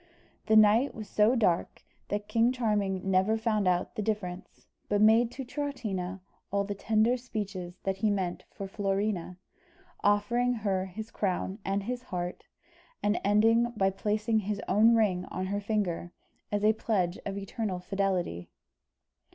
The night was so dark that King Charming never found out the difference, but made to Troutina all the tender speeches that he meant for Florina, offering her his crown and his heart, and ending by placing his own ring on her finger, as a pledge of eternal fidelity.